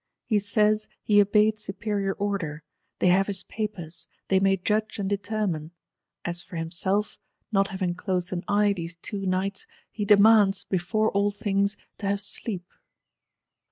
He says, he obeyed superior order; they have his papers; they may judge and determine: as for himself, not having closed an eye these two nights, he demands, before all things, to have sleep.